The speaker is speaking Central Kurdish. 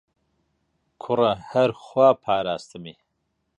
کوڕە هەر خوا پاراستمی